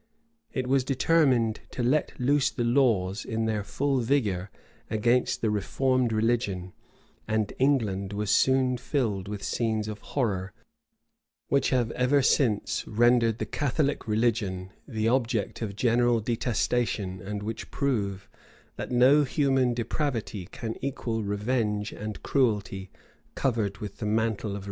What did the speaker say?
It was determined to let loose the laws in their full vigor against the reformed religion; and England was soon filled with scenes of horror, which have ever since rendered the Catholic religion the object of general detestation and which prove, that no human depravity can equal revenge and cruelty covered with the mantle of religion.